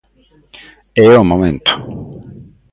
É o momento!